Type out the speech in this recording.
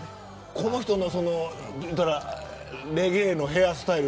この人のレゲエのヘアスタイル